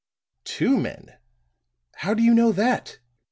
"Two men! How do you know that?"